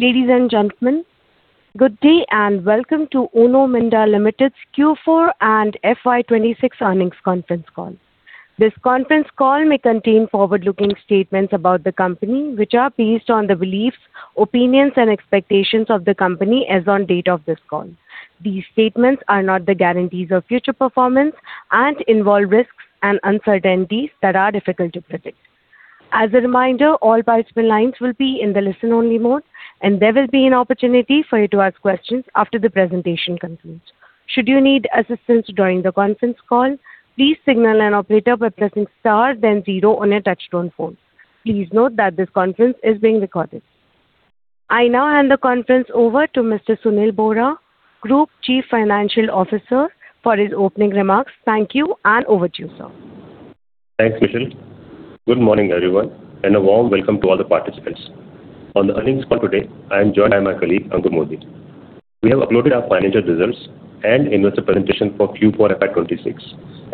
Ladies and gentlemen, good day and welcome to Uno Minda Limited's Q4 and FY 2026 earnings conference call. This conference call may contain forward-looking statements about the company, which are based on the beliefs, opinions, and expectations of the company as on date of this call. These statements are not the guarantees of future performance and involve risks and uncertainties that are difficult to predict. As a reminder, all participant lines will be in the listen-only mode, and there will be an opportunity for you to ask questions after the presentation concludes. Should you need assistance during the conference call, please signal an operator by pressing star then zero on a touchtone phone. Please note that this conference is being recorded. I now hand the conference over to Mr. Sunil Bohra, Group Chief Financial Officer, for his opening remarks. Thank you. Over to you, sir. Thanks, Michelle. Good morning, everyone, a warm welcome to all the participants. On the earnings call today, I am joined by my colleague, Ankur Modi. We have uploaded our financial results and investor presentation for Q4 FY 2026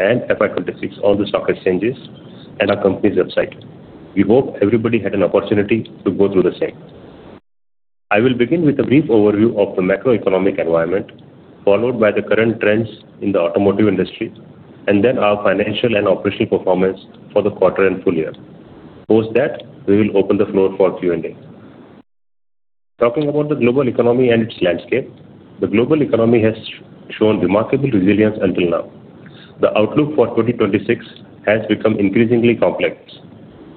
and FY 2026 on the stock exchanges and our company's website. We hope everybody had an opportunity to go through the same. I will begin with a brief overview of the macroeconomic environment, followed by the current trends in the automotive industry, then our financial and operational performance for the quarter and full year. Post that, we will open the floor for Q&A. Talking about the global economy and its landscape, the global economy has shown remarkable resilience until now. The outlook for 2026 has become increasingly complex.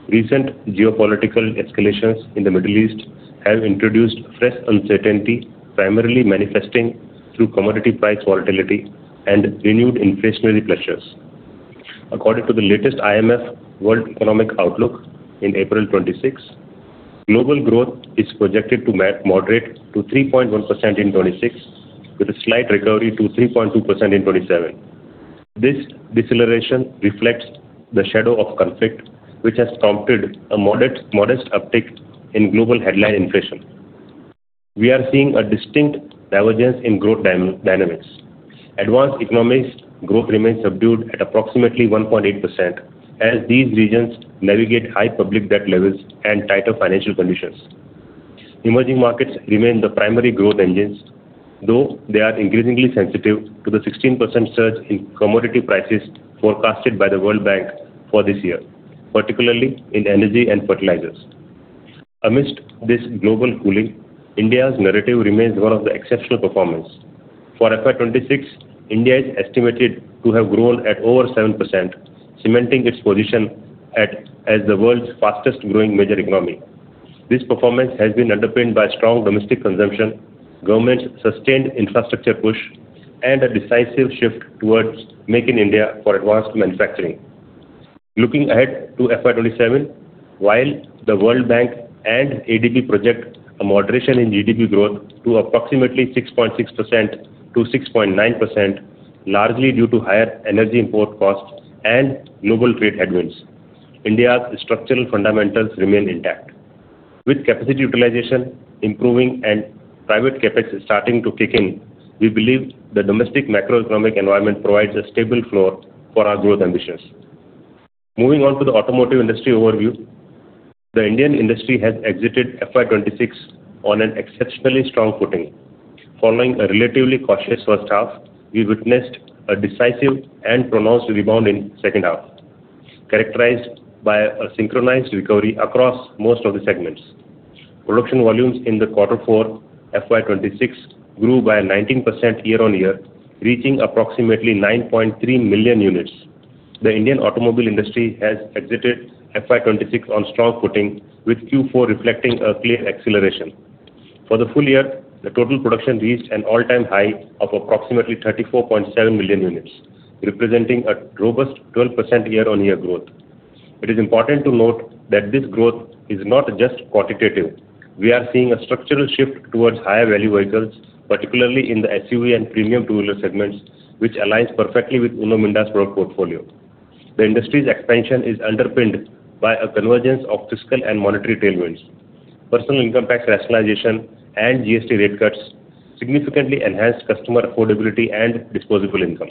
Recent geopolitical escalations in the Middle East have introduced fresh uncertainty, primarily manifesting through commodity price volatility and renewed inflationary pressures. According to the latest IMF World Economic Outlook in April 2026, global growth is projected to moderate to 3.1% in 2026, with a slight recovery to 3.2% in 2027. This deceleration reflects the shadow of conflict, which has prompted a modest uptick in global headline inflation. We are seeing a distinct divergence in growth dynamics. Advanced economies growth remains subdued at approximately 1.8% as these regions navigate high public debt levels and tighter financial conditions. Emerging markets remain the primary growth engines, though they are increasingly sensitive to the 16% surge in commodity prices forecasted by the World Bank for this year, particularly in energy and fertilizers. Amidst this global cooling, India's narrative remains one of the exceptional performance. For FY 2026, India is estimated to have grown at over 7%, cementing its position as the world's fastest-growing major economy. This performance has been underpinned by strong domestic consumption, government's sustained infrastructure push, and a decisive shift towards Make in India for advanced manufacturing. Looking ahead to FY 2027, while the World Bank and ADB project a moderation in GDP growth to approximately 6.6%-6.9%, largely due to higher energy import costs and global trade headwinds, India's structural fundamentals remain intact. With capacity utilization improving and private CapEx starting to kick in, we believe the domestic macroeconomic environment provides a stable floor for our growth ambitions. Moving on to the automotive industry overview. The Indian industry has exited FY 2026 on an exceptionally strong footing. Following a relatively cautious first half, we witnessed a decisive and pronounced rebound in second half, characterized by a synchronized recovery across most of the segments. Production volumes in the quarter four FY 2026 grew by 19% year-on-year, reaching approximately 9.3 million units. The Indian automobile industry has exited FY 2026 on strong footing, with Q4 reflecting a clear acceleration. For the full year, the total production reached an all-time high of approximately 34.7 million units, representing a robust 12% year-on-year growth. It is important to note that this growth is not just quantitative. We are seeing a structural shift towards higher-value vehicles, particularly in the SUV and premium two-wheeler segments, which aligns perfectly with Uno Minda's product portfolio. The industry's expansion is underpinned by a convergence of fiscal and monetary tailwinds. Personal income tax rationalization and GST rate cuts significantly enhanced customer affordability and disposable income.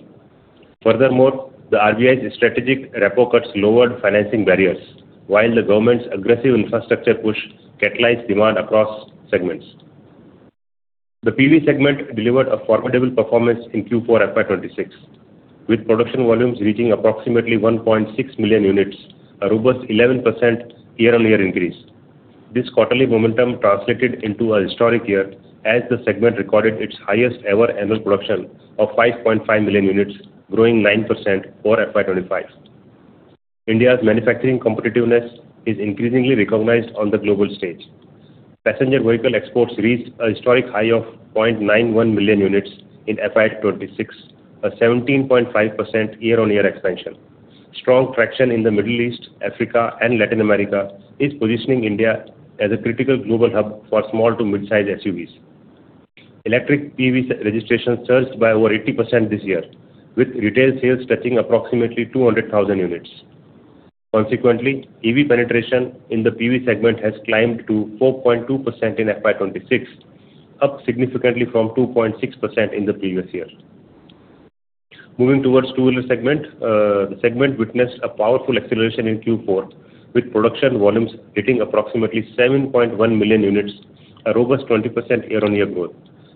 Furthermore, the RBI's strategic repo cuts lowered financing barriers, while the government's aggressive infrastructure push catalyzed demand across segments. The PV segment delivered a formidable performance in Q4 FY 2026, with production volumes reaching approximately 1.6 million units, a robust 11% year-on-year increase. This quarterly momentum translated into a historic year as the segment recorded its highest ever annual production of 5.5 million units, growing 9% over FY 2025. India's manufacturing competitiveness is increasingly recognized on the global stage. Passenger vehicle exports reached a historic high of 0.91 million units in FY 2026, a 17.5% year-on-year expansion. Strong traction in the Middle East, Africa, and Latin America is positioning India as a critical global hub for small to mid-size SUVs. Electric PVs registration surged by over 80% this year, with retail sales touching approximately 200,000 units. Consequently, EV penetration in the PV segment has climbed to 4.2% in FY 2026, up significantly from 2.6% in the previous year. Moving towards two-wheeler segment. The segment witnessed a powerful acceleration in Q4, with production volumes hitting approximately 7.1 million units, a robust 20% year-over-year growth.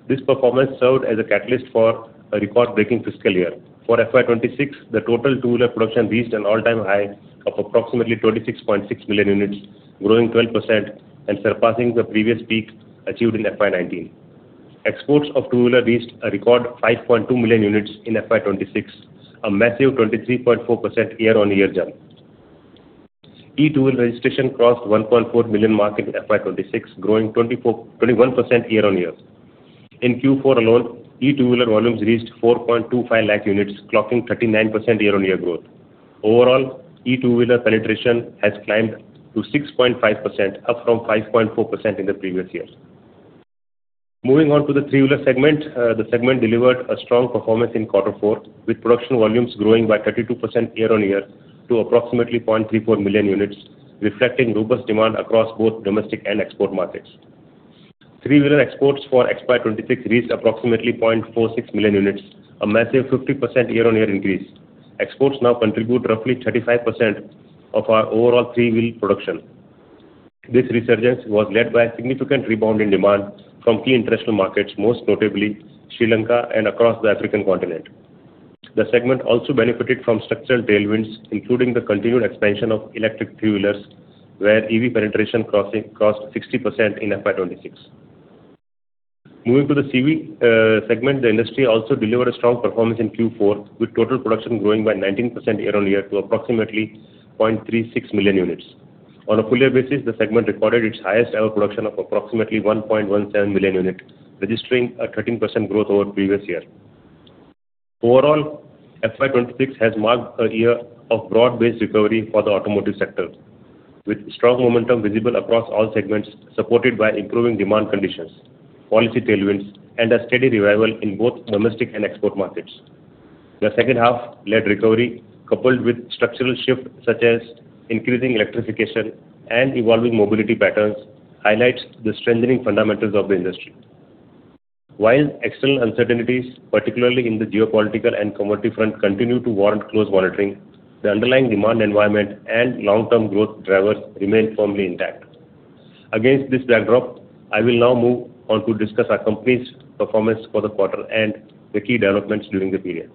This performance served as a catalyst for a record-breaking fiscal year. For FY 2026, the total two-wheeler production reached an all-time high of approximately 26.6 million units, growing 12% and surpassing the previous peak achieved in FY 2019. Exports of two-wheeler reached a record 5.2 million units in FY 2026, a massive 23.4% year-over-year jump. E-two-wheeler registration crossed 1.4 million mark in FY 2026, growing 21% year-over-year. In Q4 alone, e-two-wheeler volumes reached 4.25 lakh units, clocking 39% year-over-year growth. Overall, e-two-wheeler penetration has climbed to 6.5%, up from 5.4% in the previous year. Moving on to the three-wheeler segment. The segment delivered a strong performance in Q4, with production volumes growing by 32% year-over-year to approximately 0.34 million units, reflecting robust demand across both domestic and export markets. Three-wheeler exports for FY 2026 reached approximately 0.46 million units, a massive 50% year-over-year increase. Exports now contribute roughly 35% of our overall three-wheel production. This resurgence was led by a significant rebound in demand from key international markets, most notably Sri Lanka and across the African continent. The segment also benefited from structural tailwinds, including the continued expansion of electric three-wheelers, where EV penetration crossed 60% in FY 2026. Moving to the CV segment. The industry also delivered a strong performance in Q4, with total production growing by 19% year-over-year to approximately 0.36 million units. On a full year basis, the segment recorded its highest ever production of approximately 1.17 million units, registering a 13% growth over previous year. Overall, FY 2026 has marked a year of broad-based recovery for the automotive sector, with strong momentum visible across all segments, supported by improving demand conditions, policy tailwinds, and a steady revival in both domestic and export markets. The second half-led recovery, coupled with structural shifts such as increasing electrification and evolving mobility patterns, highlights the strengthening fundamentals of the industry. While external uncertainties, particularly in the geopolitical and commodity front, continue to warrant close monitoring, the underlying demand environment and long-term growth drivers remain firmly intact. Against this backdrop, I will now move on to discuss our company's performance for the quarter and the key developments during the period.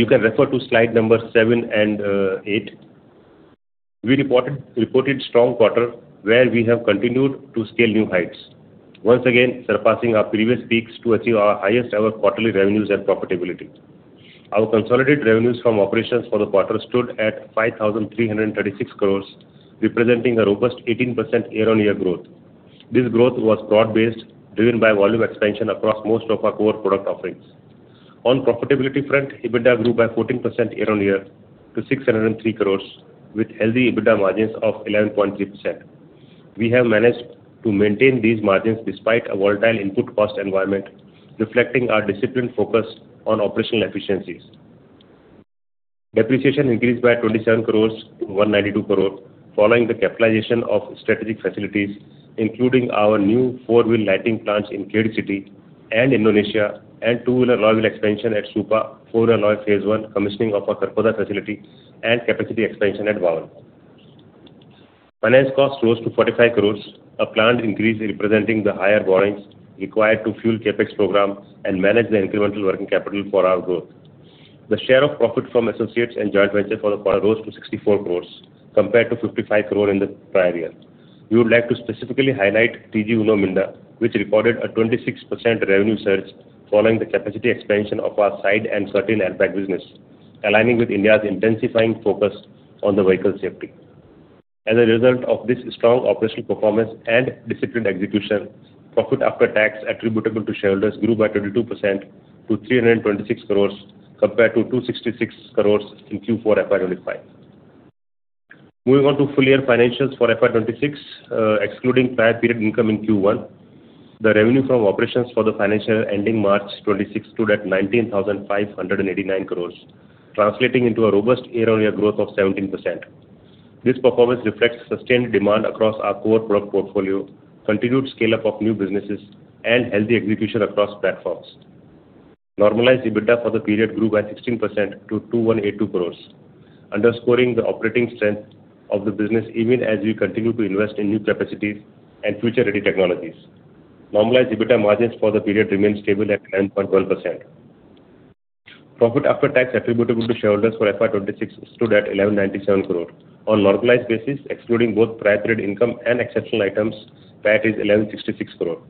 You can refer to slide number seven and eight. We reported strong quarter where we have continued to scale new heights, once again surpassing our previous peaks to achieve our highest ever quarterly revenues and profitability. Our consolidated revenues from operations for the quarter stood at 5,336 crores, representing a robust 18% year-on-year growth. This growth was broad-based, driven by volume expansion across most of our core product offerings. On profitability front, EBITDA grew by 14% year-on-year to 603 crore, with healthy EBITDA margins of 11.3%. We have managed to maintain these margins despite a volatile input cost environment, reflecting our disciplined focus on operational efficiencies. Depreciation increased by 27 crore to 192 crore, following the capitalization of strategic facilities, including our new four-wheeler lighting plants in Khed City and Indonesia, and two-wheeler alloy wheel expansion at Supa, four-wheeler alloy phase one, commissioning of our Kharkhoda facility, and capacity expansion at Bawal. Finance costs rose to 45 crore, a planned increase representing the higher borrowings required to fuel CapEx programs and manage the incremental working capital for our growth. The share of profit from associates and joint venture for the quarter rose to 64 crore compared to 55 crore in the prior year. We would like to specifically highlight TG Uno Minda, which recorded a 26% revenue surge following the capacity expansion of our side and curtain airbag business, aligning with India's intensifying focus on the vehicle safety. As a result of this strong operational performance and disciplined execution, profit after tax attributable to shareholders grew by 22% to 326 crores, compared to 266 crores in Q4 FY 2025. Moving on to full-year financials for FY 2026, excluding prior period income in Q1. The revenue from operations for the financial year ending March 2026 stood at 19,589 crores, translating into a robust year-on-year growth of 17%. This performance reflects sustained demand across our core product portfolio, continued scale-up of new businesses, and healthy execution across platforms. Normalized EBITDA for the period grew by 16% to 2,182 crore, underscoring the operating strength of the business even as we continue to invest in new capacities and future-ready technologies. Normalized EBITDA margins for the period remained stable at 9.1%. Profit after tax attributable to shareholders for FY 2026 stood at 1,197 crore. On normalized basis, excluding both prior period income and exceptional items, PAT is 1,166 crore,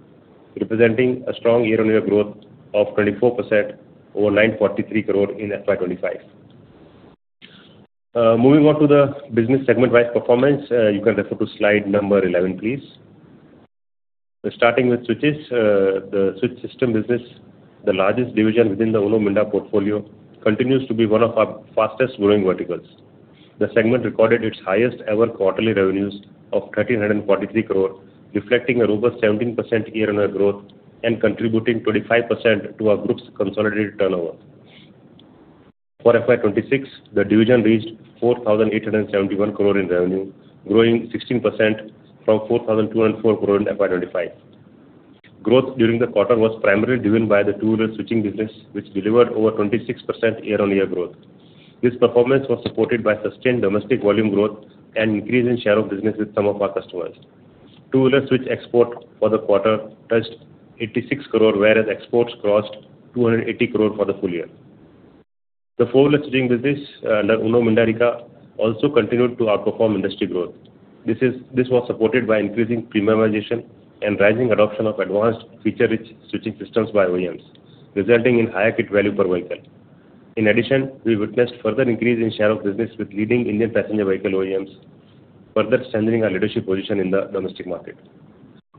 representing a strong year-on-year growth of 24% over 943 crore in FY 2025. Moving on to the business segment wise performance. You can refer to slide number 11, please. Starting with switches. The switch system business, the largest division within the Uno Minda portfolio, continues to be one of our fastest growing verticals. The segment recorded its highest ever quarterly revenues of 1,343 crore, reflecting a robust 17% year-on-year growth and contributing 25% to our group's consolidated turnover. For FY 2026, the division reached 4,871 crore in revenue, growing 16% from 4,204 crore in FY 2025. Growth during the quarter was primarily driven by the two-wheeler switching business, which delivered over 26% year-on-year growth. This performance was supported by sustained domestic volume growth and increase in share of business with some of our customers. Two-wheeler switch export for the quarter touched 86 crore, whereas exports crossed 280 crore for the full year. The four-wheeler switching business under Uno Minda Rica also continued to outperform industry growth. This was supported by increasing premiumization and rising adoption of advanced feature-rich switching systems by OEMs, resulting in higher kit value per vehicle. In addition, we witnessed further increase in share of business with leading Indian passenger vehicle OEMs, further strengthening our leadership position in the domestic market.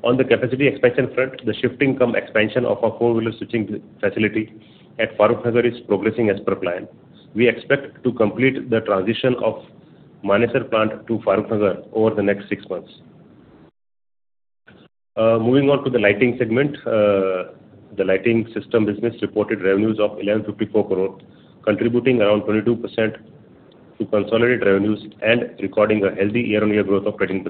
On the capacity expansion front, the shifting cum expansion of our four-wheeler switching facility at Farukh Nagar is progressing as per plan. We expect to complete the transition of Manesar plant to Farukh Nagar over the next six months. Moving on to the lighting segment. The lighting system business reported revenues of 1,154 crore, contributing around 22% to consolidate revenues and recording a healthy year-on-year growth of 13%.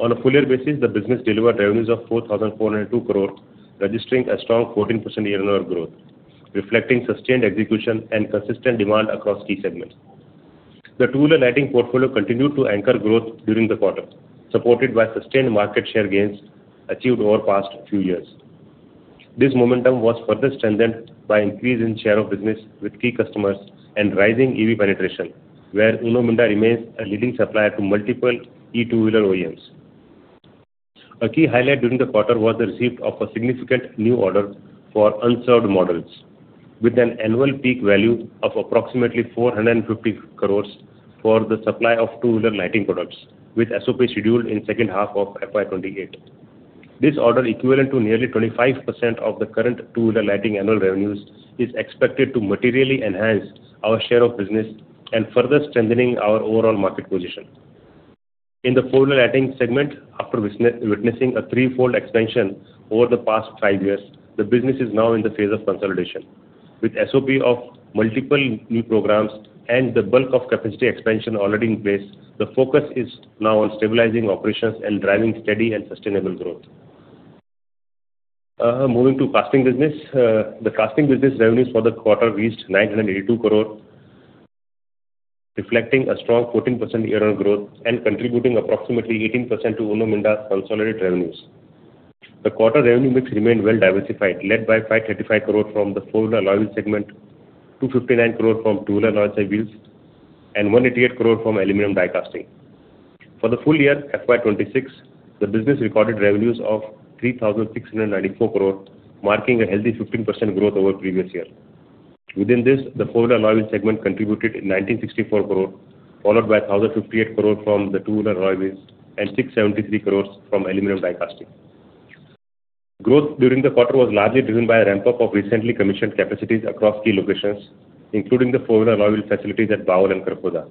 On a full year basis, the business delivered revenues of 4,402 crore, registering a strong 14% year-on-year growth, reflecting sustained execution and consistent demand across key segments. The two-wheeler lighting portfolio continued to anchor growth during the quarter, supported by sustained market share gains achieved over past few years. This momentum was further strengthened by increase in share of business with key customers and rising EV penetration, where Uno Minda remains a leading supplier to multiple e-two-wheeler OEMs. A key highlight during the quarter was the receipt of a significant new order for unserved models with an annual peak value of approximately 450 crore for the supply of two-wheeler lighting products, with SOP scheduled in second half of FY 2028. This order, equivalent to nearly 25% of the current two-wheeler lighting annual revenues, is expected to materially enhance our share of business and further strengthening our overall market position. In the four-wheeler lighting segment, after witnessing a threefold expansion over the past five years, the business is now in the phase of consolidation. With SOP of multiple new programs and the bulk of capacity expansion already in place, the focus is now on stabilizing operations and driving steady and sustainable growth. Moving to casting business. The casting business revenues for the quarter reached 982 crore, reflecting a strong 14% year-on-year growth and contributing approximately 18% to Uno Minda's consolidated revenues. The quarter revenue mix remained well diversified, led by 535 crore from the four-wheeler alloy wheel segment, 259 crore from two-wheeler alloy wheels, and 188 crore from aluminum die casting. For the full year FY 2026, the business recorded revenues of 3,694 crore, marking a healthy 15% growth over previous year. Within this, the four-wheeler alloy wheel segment contributed 1,964 crore, followed by 1,058 crore from the two-wheeler alloy wheels and 673 crore from aluminum die casting. Growth during the quarter was largely driven by a ramp-up of recently commissioned capacities across key locations, including the four-wheeler alloy wheel facilities at Bawal and Kharkhoda.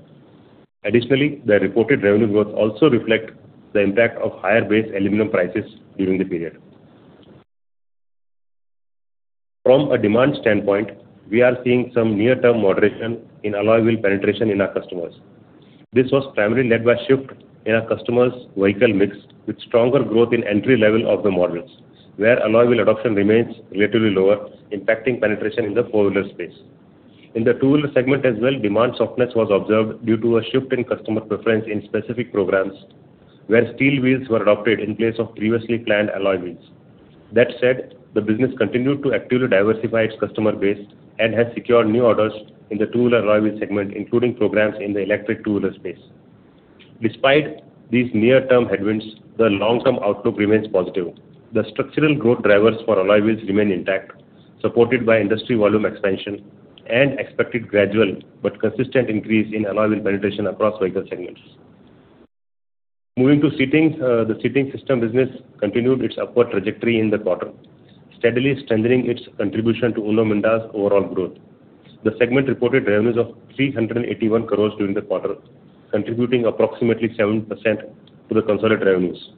Additionally, the reported revenue growth also reflect the impact of higher base aluminum prices during the period. From a demand standpoint, we are seeing some near-term moderation in alloy wheel penetration in our customers. This was primarily led by shift in our customers' vehicle mix with stronger growth in entry level of the models, where alloy wheel adoption remains relatively lower, impacting penetration in the four-wheeler space. In the two-wheeler segment as well, demand softness was observed due to a shift in customer preference in specific programs where steel wheels were adopted in place of previously planned alloy wheels. That said, the business continued to actively diversify its customer base and has secured new orders in the two-wheeler alloy wheel segment, including programs in the electric two-wheeler space. Despite these near-term headwinds, the long-term outlook remains positive. The structural growth drivers for alloy wheels remain intact, supported by industry volume expansion and expected gradual but consistent increase in alloy wheel penetration across vehicle segments. Moving to seating. The seating system business continued its upward trajectory in the quarter, steadily strengthening its contribution to Uno Minda's overall growth. The segment reported revenues of 381 crore during the quarter, contributing approximately 7% to the consolidated revenues.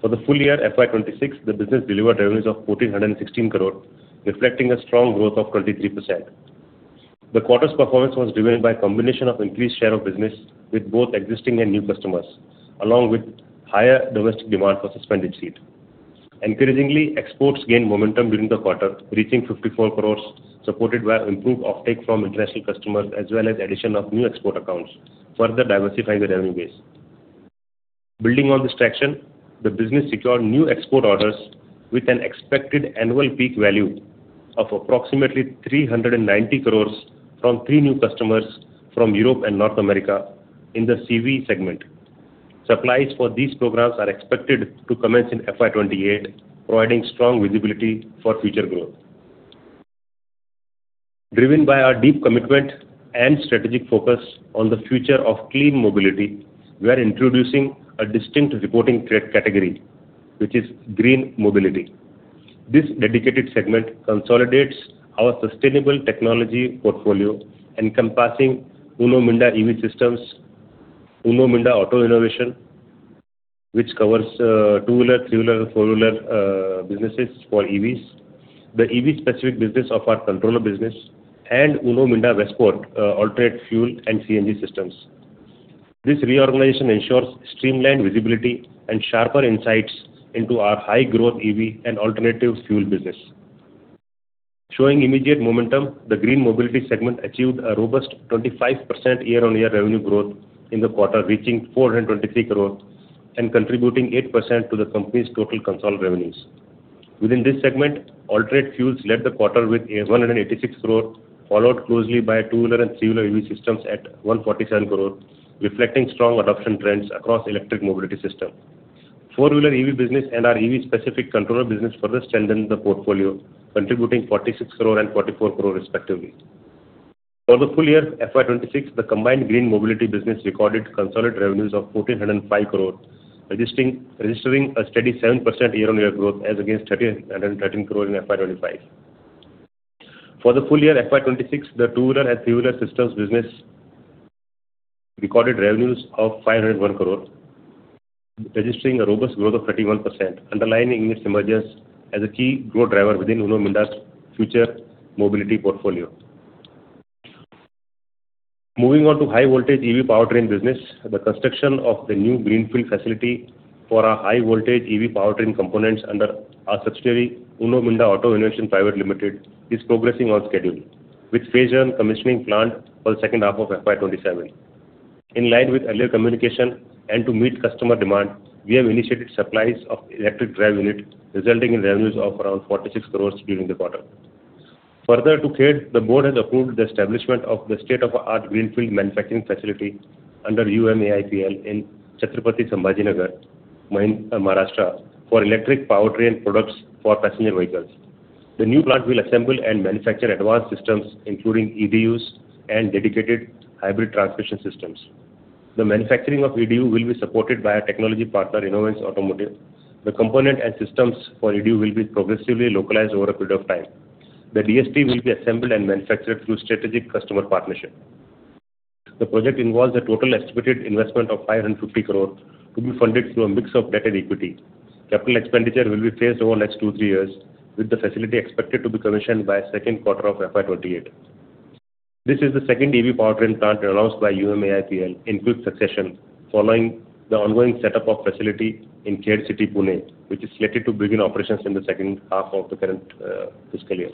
For the full year FY 2026, the business delivered revenues of 1,416 crore, reflecting a strong growth of 23%. The quarter's performance was driven by a combination of increased share of business with both existing and new customers, along with higher domestic demand for suspended seat. Encouragingly, exports gained momentum during the quarter, reaching 54 crore, supported by improved offtake from international customers as well as addition of new export accounts, further diversifying the revenue base. Building on this traction, the business secured new export orders with an expected annual peak value of approximately 390 crores from three new customers from Europe and North America in the CV segment. Supplies for these programs are expected to commence in FY 2028, providing strong visibility for future growth. Driven by our deep commitment and strategic focus on the future of clean mobility, we are introducing a distinct reporting trade category, which is Green Mobility. This dedicated segment consolidates our sustainable technology portfolio encompassing Uno Minda EV Systems, Uno Minda Auto Innovations, which covers two-wheeler, three-wheeler, four-wheeler businesses for EVs, the EV-specific business of our controller business, and Uno Minda Westport alternate fuel and CNG systems. This reorganization ensures streamlined visibility and sharper insights into our high growth EV and alternative fuel business. Showing immediate momentum, the green mobility segment achieved a robust 25% year-on-year revenue growth in the quarter, reaching 423 crore and contributing 8% to the company's total consolidated revenues. Within this segment, alternate fuels led the quarter with an 186 crore, followed closely by two-wheeler and three-wheeler EV systems at 147 crore, reflecting strong adoption trends across electric mobility system. Four-wheeler EV business and our EV specific controller business further strengthen the portfolio, contributing 46 crore and 44 crore respectively. For the full year FY 2026, the combined green mobility business recorded consolidated revenues of 1,405 crore, registering a steady 7% year-on-year growth as against 1,313 crore in FY 2025. For the full year FY 2026, the two-wheeler and three-wheeler systems business recorded revenues of 501 crore, registering a robust growth of 31%, underlining its emergence as a key growth driver within Uno Minda's future mobility portfolio. Moving on to high-voltage EV powertrain business. The construction of the new greenfield facility for our high-voltage EV powertrain components under our subsidiary, Uno Minda Auto Innovations Private Limited, is progressing on schedule with phase one commissioning planned for the second half of FY 2027. In line with earlier communication and to meet customer demand, we have initiated supplies of electric drive unit, resulting in revenues of around 46 crore during the quarter. Further to Khed, the board has approved the establishment of the state-of-the-art greenfield manufacturing facility under UMAIPL in Chhatrapati Sambhaji Nagar, Maharashtra, for electric powertrain products for passenger vehicles. The new plant will assemble and manufacture advanced systems, including EDUs and dedicated hybrid transmission systems. The manufacturing of EDU will be supported by our technology partner, Inovance Automotive. The component and systems for EDU will be progressively localized over a period of time. The DHT will be assembled and manufactured through strategic customer partnership. The project involves a total estimated investment of 550 crore to be funded through a mix of debt and equity. Capital expenditure will be phased over the next two, three years, with the facility expected to be commissioned by second quarter of FY 2028. This is the second EV powertrain plant announced by UMAIPL in quick succession following the ongoing setup of facility in Khed City, Pune, which is slated to begin operations in the second half of the current fiscal year.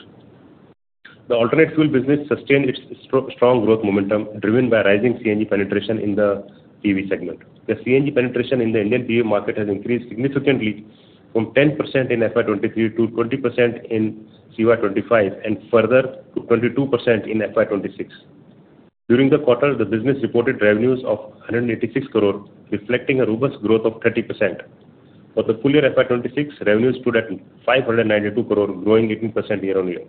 The alternate fuel business sustained its strong growth momentum, driven by rising CNG penetration in the PV segment. The CNG penetration in the Indian PV market has increased significantly from 10% in FY 2023 to 20% in CY 2025 and further to 22% in FY 2026. During the quarter, the business reported revenues of 186 crore, reflecting a robust growth of 30%. For the full year FY 2026, revenues stood at 592 crore, growing 18% year-on-year.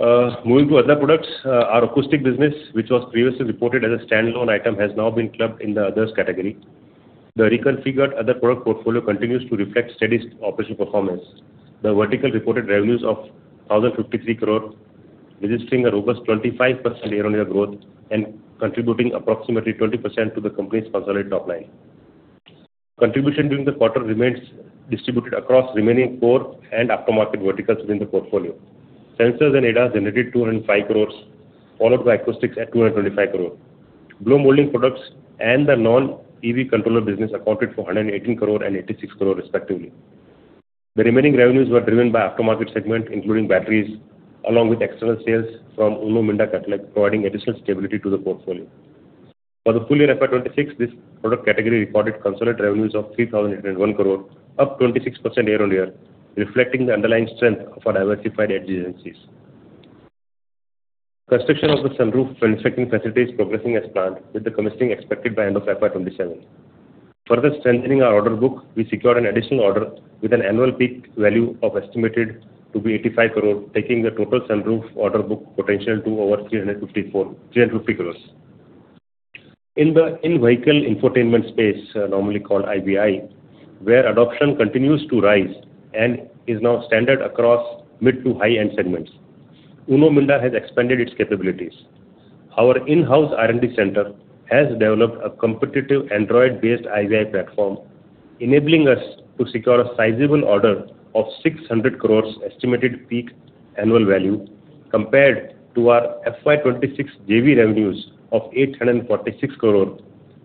Moving to other products, our acoustic business, which was previously reported as a standalone item, has now been clubbed in the others category. The reconfigured other product portfolio continues to reflect steady operational performance. The vertical reported revenues of 1,053 crore, registering a robust 25% year-on-year growth and contributing approximately 20% to the company's consolidated top line. Contribution during the quarter remains distributed across remaining core and aftermarket verticals within the portfolio. Sensors and ADAS generated 205 crore, followed by acoustics at 225 crore. Blow molding products and the non-EV controller business accounted for 118 crore and 86 crore respectively. The remaining revenues were driven by aftermarket segment, including batteries along with external sales from Uno Minda Catalog, providing additional stability to the portfolio. For the full year FY 2026, this product category recorded consolidated revenues of 3,801 crore, up 26% year-on-year, reflecting the underlying strength of our diversified adjacencies. Construction of the sunroof manufacturing facility is progressing as planned, with the commissioning expected by end of FY 2027. Further strengthening our order book, we secured an additional order with an annual peak value of estimated to be 85 crore, taking the total sunroof order book potential to over 350 crore. In the in-vehicle infotainment space, normally called IVI, where adoption continues to rise and is now standard across mid to high-end segments, Uno Minda has expanded its capabilities. Our in-house R&D center has developed a competitive Android-based IVI platform, enabling us to secure a sizable order of 600 crore estimated peak annual value. Compared to our FY 2026 JV revenues of 846 crore,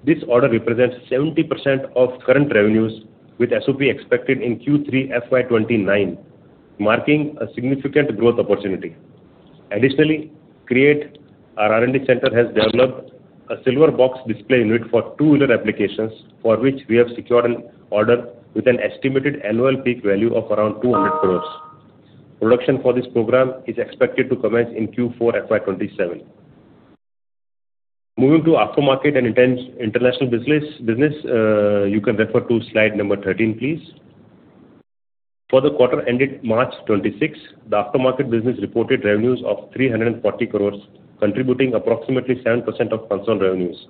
this order represents 70% of current revenues, with SOP expected in Q3 FY 2029, marking a significant growth opportunity. Additionally, CREAT, our R&D center, has developed a silver box display unit for two-wheeler applications, for which we have secured an order with an estimated annual peak value of around 200 crores. Production for this program is expected to commence in Q4 FY 2027. Moving to aftermarket and international business, you can refer to slide number 13, please. For the quarter ended March 2026, the aftermarket business reported revenues of 340 crores, contributing approximately 7% of consolidated revenues.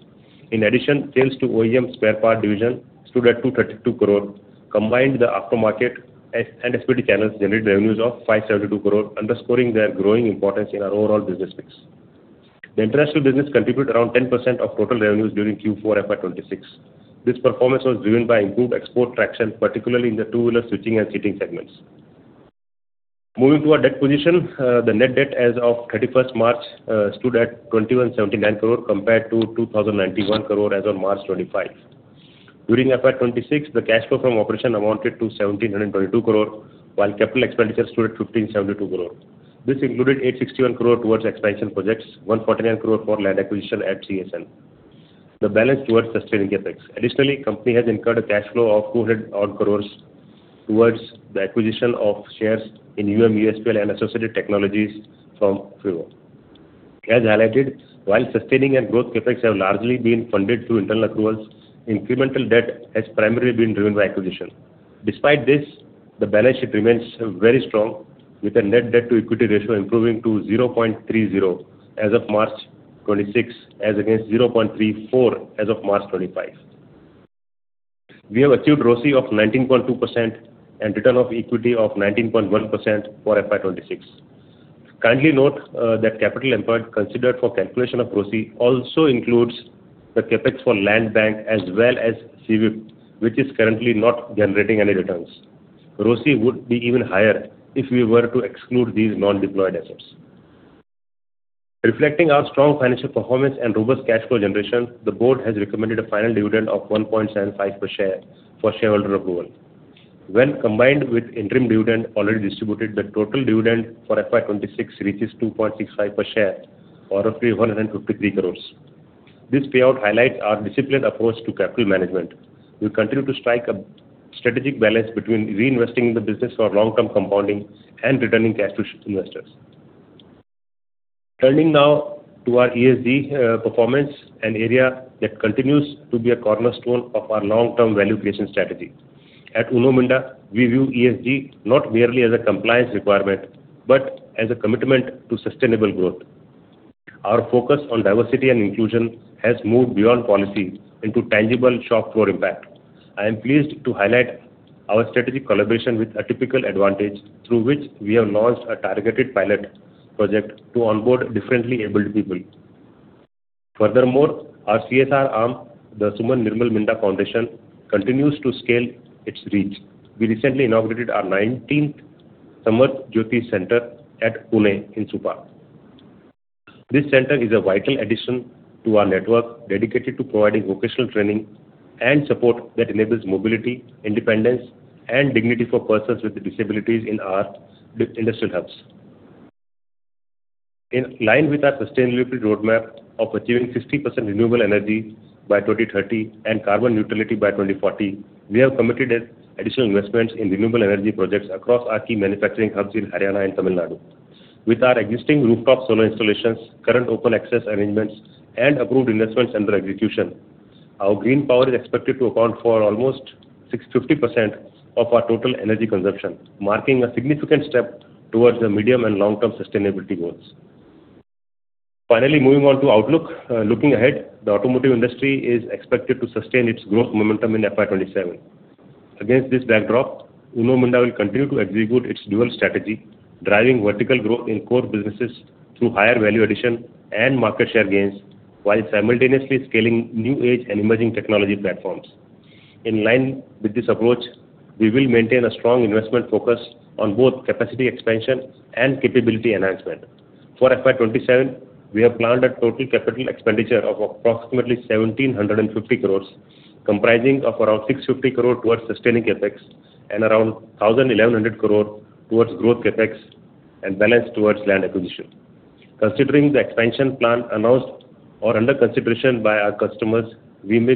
In addition, sales to OEM spare part division stood at 232 crore. Combined, the aftermarket and SPD channels generated revenues of 572 crore, underscoring their growing importance in our overall business mix. The international business contribute around 10% of total revenues during Q4 FY 2026. This performance was driven by improved export traction, particularly in the two-wheeler switching and seating segments. Moving to our debt position, the net debt as of 31st March stood at 2,179 crore compared to 2,091 crore as on March 2025. During FY 2026, the cash flow from operation amounted to 1,722 crore, while capital expenditure stood at 1,572 crore. This included 861 crore towards expansion projects, 149 crore for land acquisition at CSM. The balance towards sustaining CapEx. Additionally, company has incurred a cash flow of 200 odd crore towards the acquisition of shares in UM ESPL and Associated Technologies from Friwo. As highlighted, while sustaining and growth CapEx have largely been funded through internal accruals, incremental debt has primarily been driven by acquisition. Despite this, the balance sheet remains very strong, with a net debt to equity ratio improving to 0.30 as of March 2026, as against 0.34 as of March 2025. We have achieved ROCE of 19.2% and return of equity of 19.1% for FY 2026. Kindly note that capital employed considered for calculation of ROCE also includes the CapEx for land bank as well as CWIP, which is currently not generating any returns. ROCE would be even higher if we were to exclude these non-deployed assets. Reflecting our strong financial performance and robust cash flow generation, the board has recommended a final dividend of 1.75 per share for shareholder approval. When combined with interim dividend already distributed, the total dividend for FY 2026 reaches 2.65 per share or roughly 153 crores. This payout highlights our disciplined approach to capital management. We continue to strike a strategic balance between reinvesting in the business for long-term compounding and returning cash to investors. Turning now to our ESG performance, an area that continues to be a cornerstone of our long-term value creation strategy. At Uno Minda, we view ESG not merely as a compliance requirement, but as a commitment to sustainable growth. Our focus on diversity and inclusion has moved beyond policy into tangible shop floor impact. I am pleased to highlight our strategic collaboration with Atypical Advantage, through which we have launched a targeted pilot project to onboard differently abled people. Furthermore, our CSR arm, the Suman Nirmal Minda Foundation, continues to scale its reach. We recently inaugurated our 19th Samarth-Jyoti Center at Pune in Supa. This center is a vital addition to our network dedicated to providing vocational training and support that enables mobility, independence, and dignity for persons with disabilities in our industrial hubs. In line with our sustainability roadmap of achieving 60% renewable energy by 2030 and carbon neutrality by 2040, we have committed additional investments in renewable energy projects across our key manufacturing hubs in Haryana and Tamil Nadu. With our existing rooftop solar installations, current open access arrangements, and approved investments under execution, our green power is expected to account for almost 650% of our total energy consumption, marking a significant step towards the medium and long-term sustainability goals. Finally, moving on to outlook. Looking ahead, the automotive industry is expected to sustain its growth momentum in FY 2027. Against this backdrop, Uno Minda will continue to execute its dual strategy, driving vertical growth in core businesses through higher value addition and market share gains, while simultaneously scaling new age and emerging technology platforms. In line with this approach, we will maintain a strong investment focus on both capacity expansion and capability enhancement. For FY 2027, we have planned a total capital expenditure of approximately 1,750 crore, comprising of around 650 crore towards sustaining CapEx and around 1,100 crore towards growth CapEx and balance towards land acquisition. Considering the expansion plan announced or under consideration by our customers, we may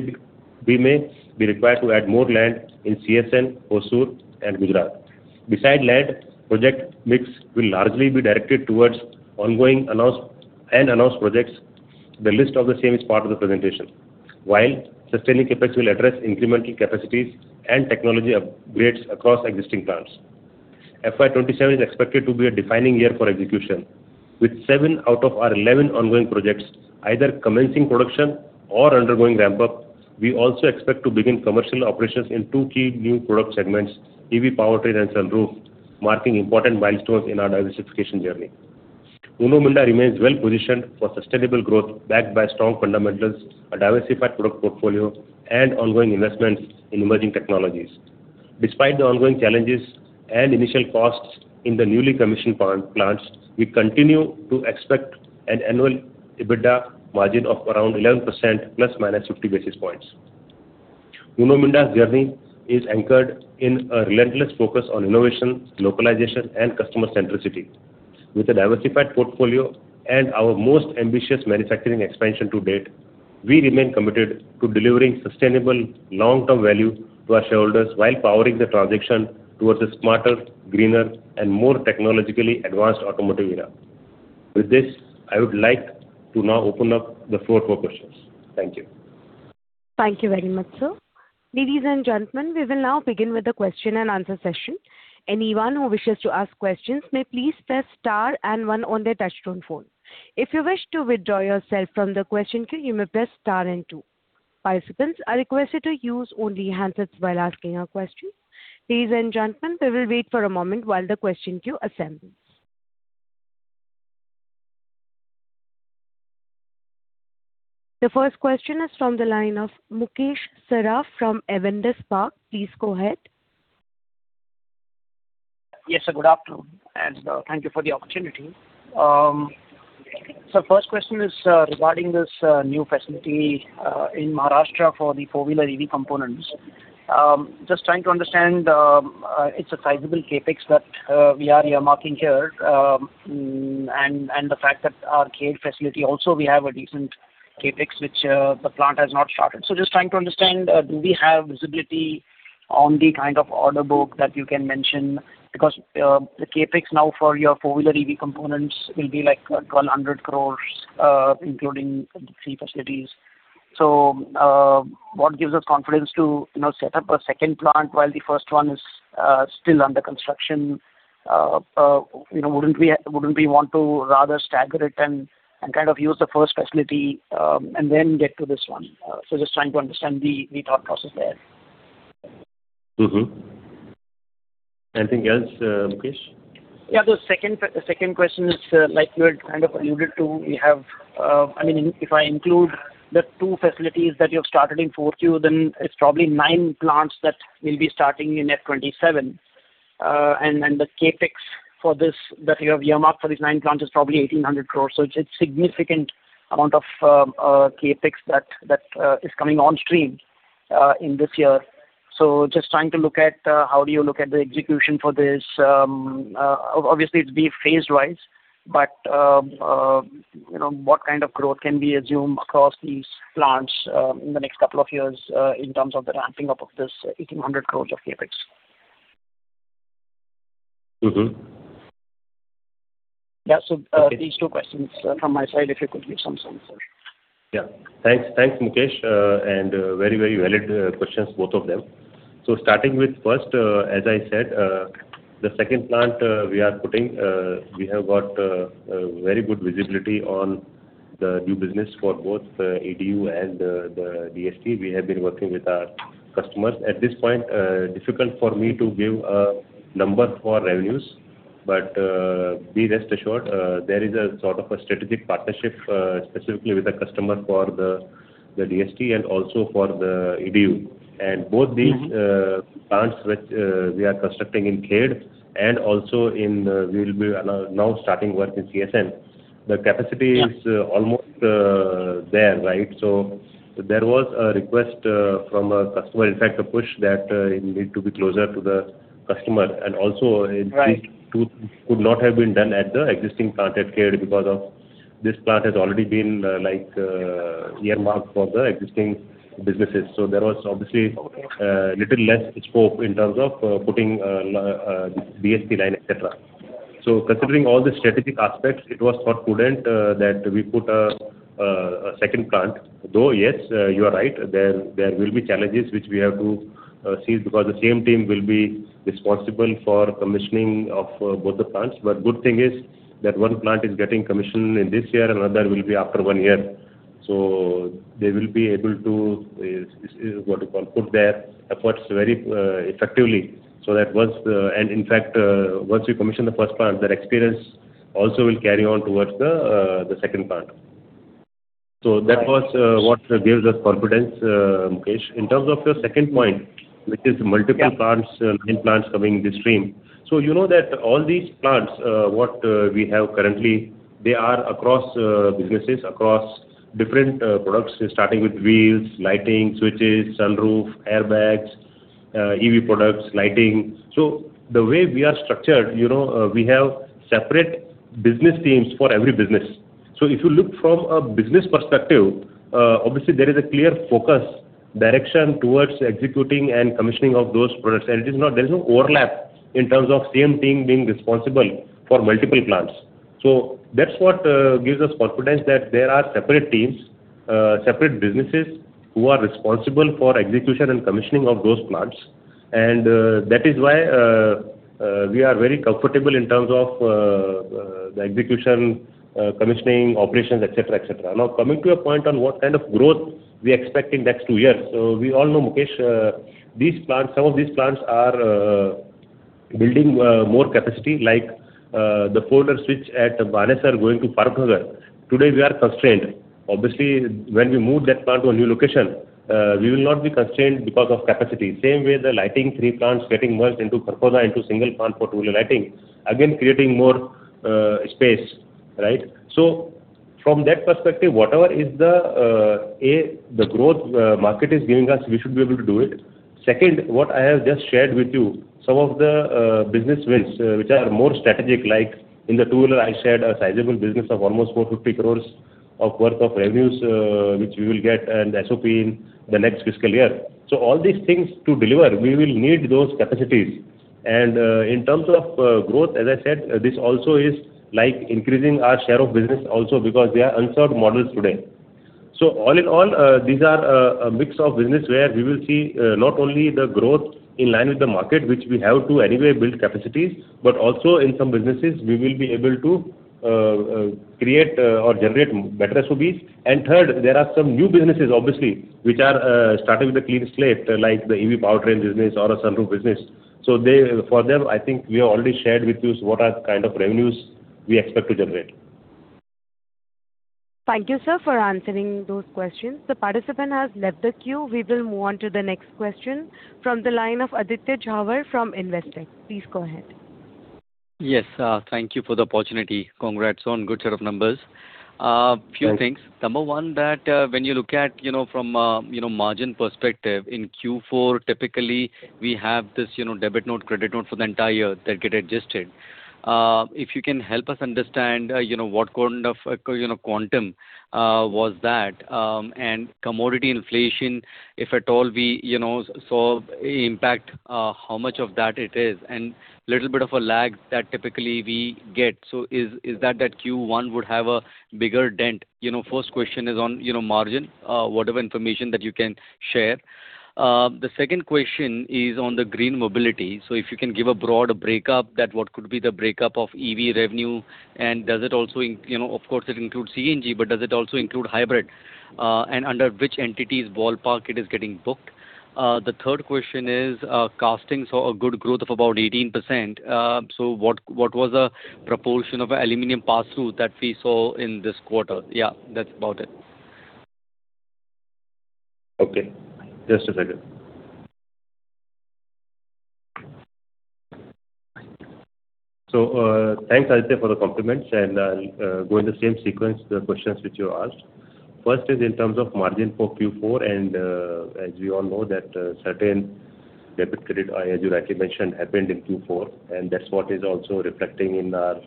be required to add more land in CSM, Hosur and Gujarat. Beside land, project mix will largely be directed towards ongoing announced and announced projects. The list of the same is part of the presentation. While sustaining CapEx will address incremental capacities and technology upgrades across existing plants. FY 2027 is expected to be a defining year for execution, with seven out of our 11 ongoing projects either commencing production or undergoing ramp up. We also expect to begin commercial operations in two key new product segments, EV powertrain and sunroof, marking important milestones in our diversification journey. Uno Minda remains well-positioned for sustainable growth backed by strong fundamentals, a diversified product portfolio, and ongoing investments in emerging technologies. Despite the ongoing challenges and initial costs in the newly commissioned pan-plants, we continue to expect an annual EBITDA margin of around 11% ±50 basis points. Uno Minda's journey is anchored in a relentless focus on innovation, localization and customer centricity. With a diversified portfolio and our most ambitious manufacturing expansion to date, we remain committed to delivering sustainable long-term value to our shareholders while powering the transition towards a smarter, greener and more technologically advanced automotive era. With this, I would like to now open up the floor for questions. Thank you. Thank you very much, sir. Ladies and gentlemen, we will now begin with the question and answer session. Anyone who wishes to ask questions may please press star and one on their touch-tone phone. If you wish to withdraw yourself from the question queue, you may press star and two. Participants are requested to use only handsets while asking a question. Ladies and gentlemen, we will wait for a moment while the question queue assembles. The first question is from the line of Mukesh Saraf from Avendus Spark. Please go ahead. Yes, sir. Good afternoon, and thank you for the opportunity. First question is regarding this new facility in Maharashtra for the four-wheeler EV components. Just trying to understand, it's a sizable CapEx that we are earmarking here. And the fact that our Khed facility also we have a decent CapEx, which the plant has not started. Just trying to understand, do we have visibility on the kind of order book that you can mention? Because the CapEx now for your four-wheeler EV components will be like 1,200 crores, including the three facilities. What gives us confidence to, you know, set up a second plant while the first one is still under construction? You know, wouldn't we want to rather stagger it and kind of use the first facility, and then get to this one? Just trying to understand the thought process there. Anything else, Mukesh? Yeah. The second question is, like you had kind of alluded to, we have, I mean, if I include the two facilities that you have started in Q4, then it's probably nine plants that will be starting in FY 2027. The CapEx for this that you have earmarked for these nine plants is probably 1,800 crore. It's significant amount of CapEx that is coming on stream in this year. Just trying to look at, how do you look at the execution for this? obviously it's being phased wise, but, you know, what kind of growth can be assumed across these plants in the next couple of years, in terms of the ramping up of this 1,800 crore of CapEx? Yeah. These two questions from my side, if you could give some answer. Yeah. Thanks. Thanks, Mukesh. And very, very valid questions, both of them. Starting with first, as I said, the second plant we are putting, we have got very good visibility on the new business for both EDU and the DST. We have been working with our customers. At this point, difficult for me to give a number for revenues, but be rest assured, there is a sort of a strategic partnership specifically with the customer for the DST and also for the EDU. Both these plants which, we are constructing in Khed and also in, we'll be now starting work in CSN, the capacity is almost there, right? There was a request from a customer, in fact, a push that it needed to be closer to the customer. Right. These two could not have been done at the existing plant at Khed because this plant has already been earmarked for the existing businesses. There was obviously little less scope in terms of putting a la, DHT line, et cetera. Considering all the strategic aspects, it was thought prudent that we put a second plant. Yes, you are right. There will be challenges which we have to seize because the same team will be responsible for commissioning of both the plants. Good thing is that one plant is getting commissioned in this year, another will be after one year. They will be able to, this is what you call, put their efforts very effectively. That once, and in fact, once we commission the first plant, that experience also will carry on towards the second plant. Right. That was what gives us confidence, Mukesh. In terms of your second point, which is multiple plants. Yeah. Nine plants coming this stream. You know that all these plants, what we have currently, they are across businesses, across different products, starting with wheels, lighting, switches, sunroof, airbags, EV products, lighting. The way we are structured, you know, we have separate business teams for every business. If you look from a business perspective, obviously there is a clear focus direction towards executing and commissioning of those products. There is no overlap in terms of same team being responsible for multiple plants. That's what gives us confidence that there are separate teams, separate businesses who are responsible for execution and commissioning of those plants. That is why we are very comfortable in terms of the execution, commissioning operations, et cetera, et cetera. Coming to your point on what kind of growth we expect in next two years. We all know, Mukesh, these plants, some of these plants are building more capacity, like the four-wheeler switch at Manesar going to Farukh Nagar. Today, we are constrained. Obviously, when we move that plant to a new location, we will not be constrained because of capacity. Same way, the lighting three plants getting merged into Kharkhoda into single plant for two-wheeler lighting, again, creating more space, right? From that perspective, whatever is the growth market is giving us, we should be able to do it. Second, what I have just shared with you, some of the business wins, which are more strategic, like in the tool, I shared a sizable business of almost 450 crores of worth of revenues, which we will get and SOP in the next fiscal year. All these things to deliver, we will need those capacities. In terms of growth, as I said, this also is like increasing our share of business also because they are unsolved models today. All in all, these are a mix of business where we will see not only the growth in line with the market, which we have to anyway build capacities, but also in some businesses we will be able to create or generate better SOPs. Third, there are some new businesses obviously, which are starting with a clean slate, like the EV powertrain business or a sunroof business. They, for them, I think we have already shared with you what are kind of revenues we expect to generate. Thank you, sir, for answering those questions. The participant has left the queue. We will move on to the next question from the line of Aditya Jhawar from Investec. Please go ahead. Yes. Thank you for the opportunity. Congrats on good set of numbers. Few things. Thanks. Number one, that, when you look at, you know, from, you know, margin perspective, in Q4 typically we have this, you know, debit note, credit note for the entire year that get adjusted. If you can help us understand, you know, what kind of, you know, quantum was that. Commodity inflation, if at all we, you know, saw impact, how much of that it is and little bit of a lag that typically we get. Is that at Q1 would have a bigger dent? You know, first question is on, you know, margin, whatever information that you can share. The second question is on the green mobility. If you can give a broad breakup that what could be the breakup of EV revenue, and does it also, you know, of course it includes CNG, but does it also include hybrid? And under which entities ballpark it is getting booked. The third question is, castings saw a good growth of about 18%. What was the proportion of aluminum pass-through that we saw in this quarter? Yeah, that's about it. Just a second. Thanks, Aditya, for the compliments, and I'll go in the same sequence the questions which you asked. First is in terms of margin for Q4. As we all know that certain debit/credit, as you rightly mentioned, happened in Q4, and that's what is also reflecting in our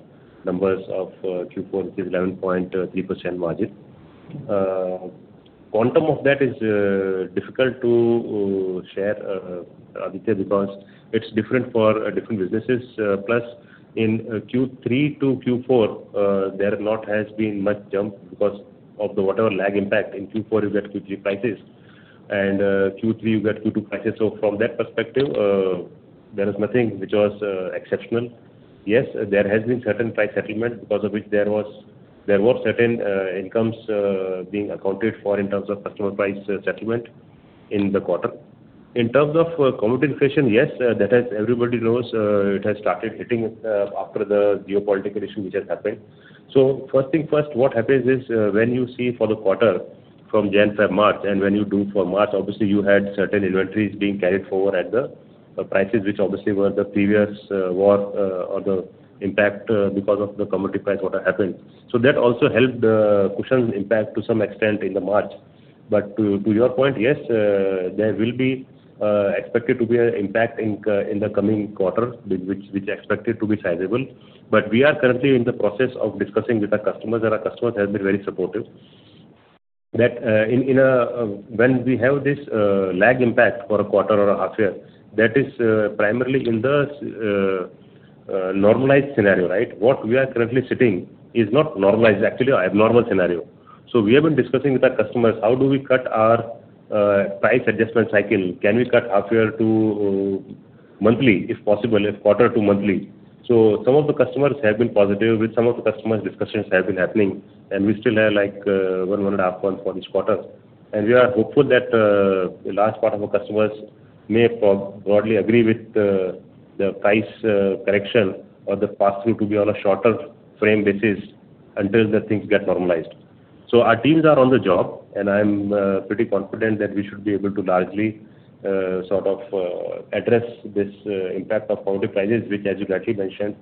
numbers of Q4, which is 11.3% margin. Quantum of that is difficult to share, Aditya, because it's different for different businesses. In Q3 to Q4, there not has been much jump because of the whatever lag impact. In Q4 you get Q3 prices. Q3 you get Q2 prices. From that perspective, there is nothing which was exceptional. Yes, there has been certain price settlement because of which there were certain incomes being accounted for in terms of customer price settlement in the quarter. In terms of commodity inflation, yes, that has everybody knows, it has started hitting after the geopolitical issue which has happened. First thing first, what happens is, when you see for the quarter from Jan, Feb, March, and when you do for March, obviously you had certain inventories being carried forward at the prices which obviously were the previous war or the impact because of the commodity price what had happened. That also helped cushion the impact to some extent in the March. To your point, yes, there will be expected to be a impact in the coming quarter which expected to be sizable. We are currently in the process of discussing with our customers, and our customers have been very supportive that, in a When we have this lag impact for a quarter or a half year, that is primarily in the normalized scenario, right? What we are currently sitting is not normalized, it's actually abnormal scenario. We have been discussing with our customers how do we cut our price adjustment cycle. Can we cut half year to monthly, if possible, if quarter to monthly? Some of the customers have been positive. With some of the customers discussions have been happening, we still have like 1 month half gone for this quarter. We are hopeful that a large part of our customers may broadly agree with the price correction or the pass-through to be on a shorter frame basis until the things get normalized. Our teams are on the job, and I'm pretty confident that we should be able to largely sort of address this impact of commodity prices, which as you rightly mentioned,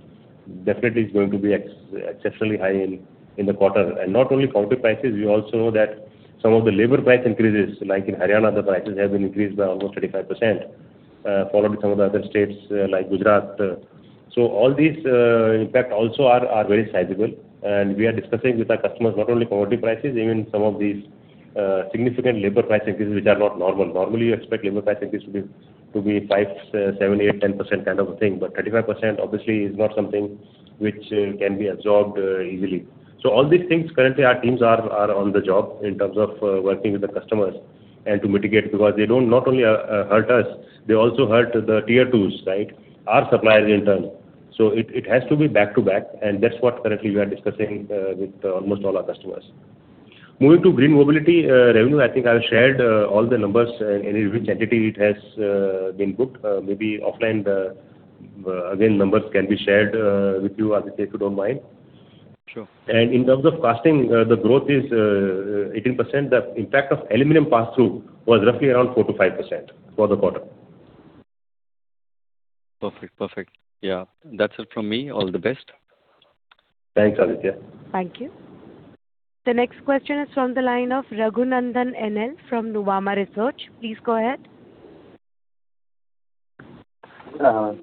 definitely is going to be exceptionally high in the quarter. Not only commodity prices, we also know that some of the labor price increases, like in Haryana, the prices have been increased by almost 35%, followed with some of the other states, like Gujarat. All these impact also are very sizable, and we are discussing with our customers not only commodity prices, even some of these significant labor price increases which are not normal. Normally you expect labor price increase to be 5%, 7%, 8%, 10% kind of a thing, 35% obviously is not something which can be absorbed easily. All these things currently our teams are on the job in terms of working with the customers and to mitigate because they don't not only hurt us, they also hurt the tier 2s, right? Our suppliers in turn. It has to be back to back, and that's what currently we are discussing with almost all our customers. Moving to green mobility, revenue, I think I've shared all the numbers and in which entity it has been booked. Maybe offline the again, numbers can be shared with you Aditya, if you don't mind. Sure. In terms of casting, the growth is 18%. The impact of aluminum pass-through was roughly around 4%-5% for the quarter. Perfect. Perfect. Yeah. That's it from me. All the best. Thanks, Aditya. Thank you. The next question is from the line of Raghunandhan NL from Nuvama Research. Please go ahead.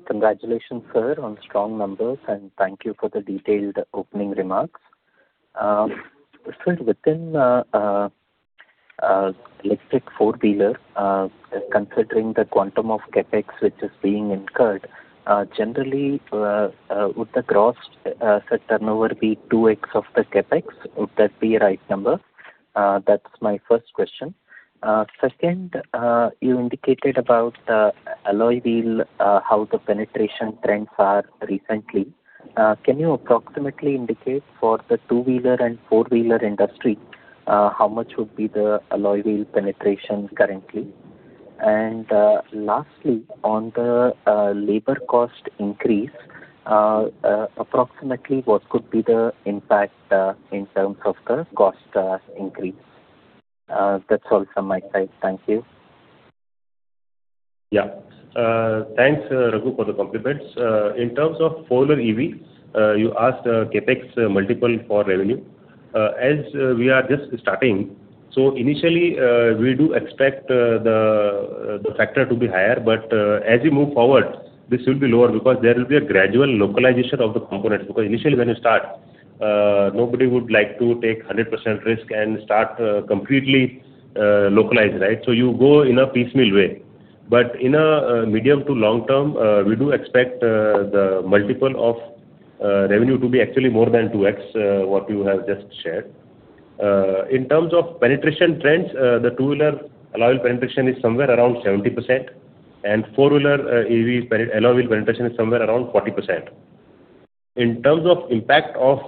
Congratulations, sir, on strong numbers. Thank you for the detailed opening remarks. Sir, within electric four-wheeler, considering the quantum of CapEx which is being incurred, generally, would the gross turnover be 2x of the CapEx? Would that be a right number? That's my first question. Second, you indicated about alloy wheel, how the penetration trends are recently. Can you approximately indicate for the two-wheeler and four-wheeler industry, how much would be the alloy wheel penetrations currently? Lastly, on the labor cost increase, approximately what could be the impact in terms of the cost increase? That's all from my side. Thank you. Thanks, Raghu, for the compliments. In terms of four-wheeler EVs, you asked CapEx multiple for revenue. As we are just starting, initially, we do expect the factor to be higher. As we move forward, this will be lower because there will be a gradual localization of the components. Initially when you start, nobody would like to take 100% risk and start completely localized, right? You go in a piecemeal way. In a medium to long term, we do expect the multiple of revenue to be actually more than 2x what you have just shared. In terms of penetration trends, the two-wheeler alloy wheel penetration is somewhere around 70% and four-wheeler EV alloy wheel penetration is somewhere around 40%. In terms of impact of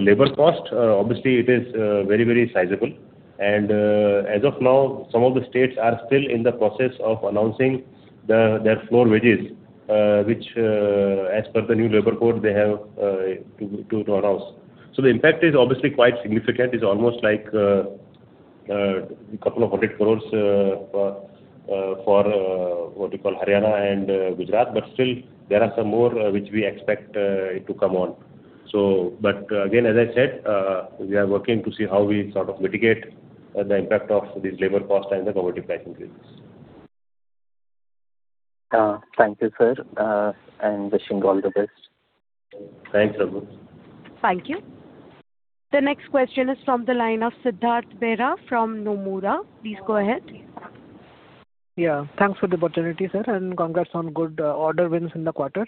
labor cost, obviously it is very, very sizable. As of now, some of the states are still in the process of announcing the, their floor wages, which as per the new labor code they have to announce. The impact is obviously quite significant. It is almost like INR couple of hundred crores for what you call Haryana and Gujarat. Still there are some more which we expect it to come on. Again, as I said, we are working to see how we sort of mitigate the impact of this labor cost and the commodity price increases. Thank you, sir. Wishing you all the best. Thanks, Raghu. Thank you. The next question is from the line of Siddharth Bera from Nomura. Please go ahead. Yeah. Thanks for the opportunity, sir, and congrats on good order wins in the quarter.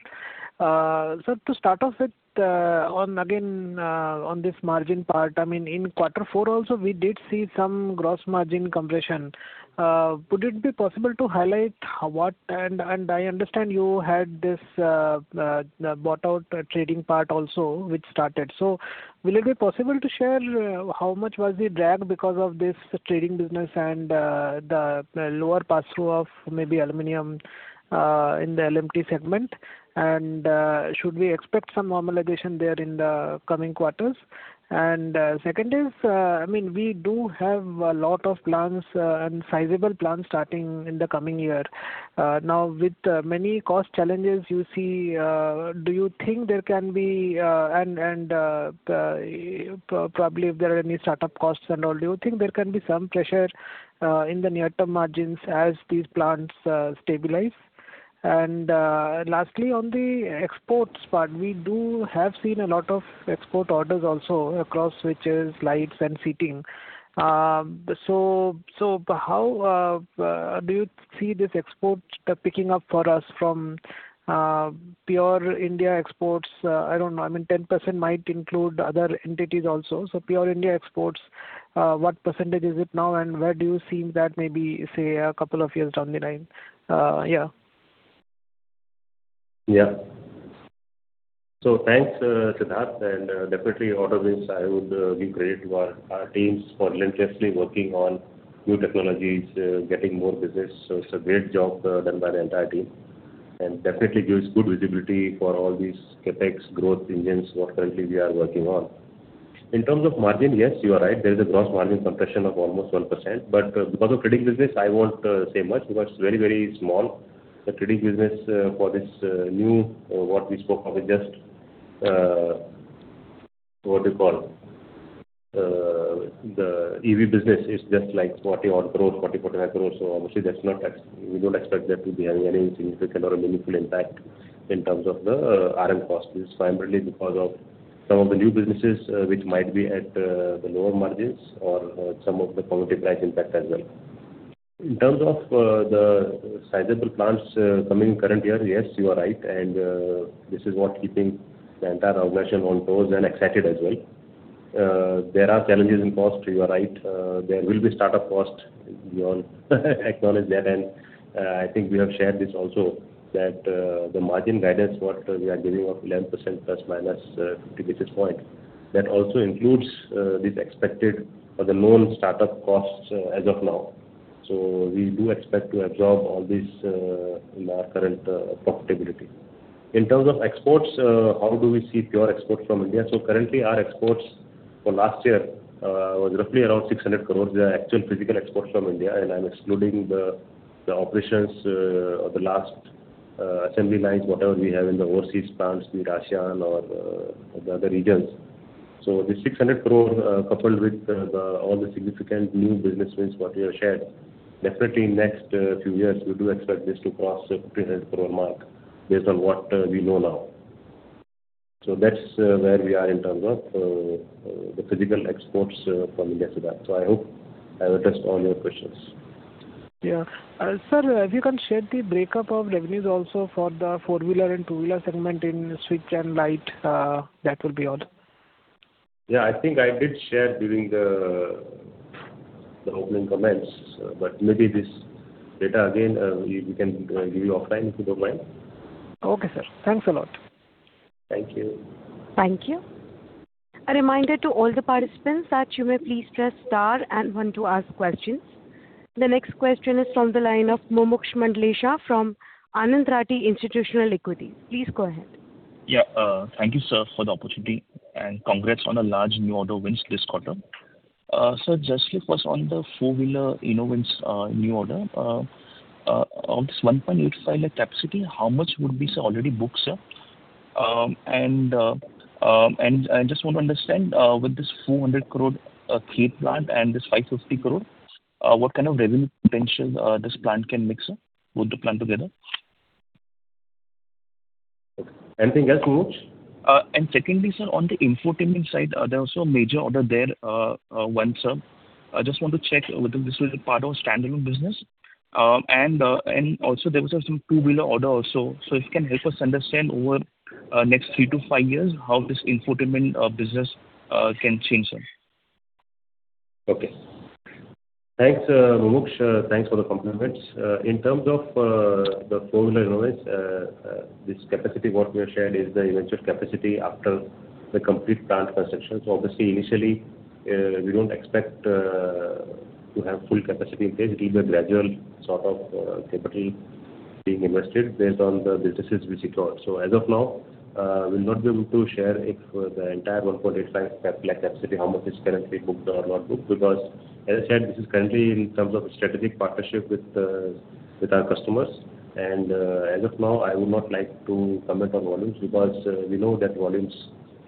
Sir, to start off with, on again, on this margin part, I mean, in quarter four also we did see some gross margin compression. Would it be possible to highlight what I understand you had this the bought out trading part also which started. Will it be possible to share how much was the drag because of this trading business and the lower pass-through of maybe aluminum in the LME segment? Should we expect some normalization there in the coming quarters? Second is, I mean, we do have a lot of plans, and sizable plans starting in the coming year. Now with many cost challenges you see, do you think there can be probably if there are any startup costs and all, do you think there can be some pressure in the near-term margins as these plans stabilize? Lastly, on the exports part. We do have seen a lot of export orders also across switches, lights and seating. How do you see this export picking up for us from pure India exports? I don't know. I mean, 10% might include other entities also. Pure India exports, what percentage is it now, and where do you see that maybe, say, a couple of years down the line? Yeah. Thanks, Siddharth, definitely order wins, I would give credit to our teams for relentlessly working on new technologies, getting more business. It's a great job done by the entire team, definitely gives good visibility for all these CapEx growth engines what currently we are working on. In terms of margin, yes, you are right. There is a gross margin compression of almost 1%. Because of trading business, I won't say much because it's very, very small. The trading business for this new what we spoke of it just what you call the EV business is just like 40 odd crores, 40-45 crores. Obviously we don't expect that to be having any significant or a meaningful impact in terms of the RM cost. It's primarily because of some of the new businesses, which might be at the lower margins or some of the commodity price impact as well. In terms of the sizable plans coming current year, yes, you are right. This is what keeping the entire organization on toes and excited as well. There are challenges in cost, you are right. There will be startup cost. We all acknowledge that, and I think we have shared this also, that the margin guidance, what we are giving of 11%± 50 basis points, that also includes this expected or the known startup costs as of now. So we do expect to absorb all this in our current profitability. In terms of exports, how do we see pure exports from India? Currently our exports for last year was roughly around 600 crores. The actual physical exports from India, and I'm excluding the operations or the last assembly lines, whatever we have in the overseas plants in Russia and/or the other regions. The 600 crores, coupled with all the significant new business wins what we have shared, definitely next few years we do expect this to cross 1,500 crore mark based on what we know now. That's where we are in terms of the physical exports from India, Siddharth. I hope I've addressed all your questions. Sir, if you can share the breakup of revenues also for the four-wheeler and two-wheeler segment in switch and light, that will be all. Yeah. I think I did share during the opening comments. Maybe this data again, we can, give you offline, if you don't mind. Okay, sir. Thanks a lot. Thank you. Thank you. A reminder to all the participants that you may please press star and one to ask questions. The next question is from the line of Mumuksh Mandlesha from Anand Rathi Institutional Equities. Please go ahead. Yeah. Thank you, sir, for the opportunity, and congrats on a large new order wins this quarter. Sir, just like first on the four-wheeler, you know, wins, new order. On this 1.85 lakh capacity, how much would be, sir, already booked, sir? I just want to understand, with this 400 crore, Khed plant and this 550 crore, what kind of revenue potential this plant can make, sir, both the plant together? Anything else, Mumuksh? Secondly, sir, on the infotainment side, there was a major order there won, sir. I just want to check whether this will be part of standalone business. Also, there was some two-wheeler order also. If you can help us understand over next three to five years, how this infotainment business can change, sir. Okay. Thanks, Mumuksh. Thanks for the compliments. In terms of the four-wheeler, you know, this capacity what we have shared is the eventual capacity after the complete plant construction. Obviously, initially, we don't expect to have full capacity in place. It will be a gradual sort of capital being invested based on the businesses we secure. As of now, we'll not be able to share if the entire 1.85 capacity, how much is currently booked or not booked, because as I said, this is currently in terms of a strategic partnership with our customers. As of now, I would not like to comment on volumes because we know that volumes